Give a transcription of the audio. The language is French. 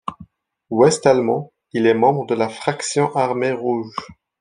Ouest-allemand, il est membre de la Fraction armée rouge.